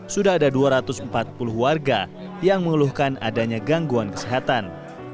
sudah ada dua ratus empat puluh warga yang mengeluhkan adanya gangguan kesehatan